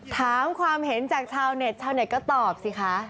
ถามความเห็นจากชาวเน็ตชาวเน็ตก็ตอบสิคะ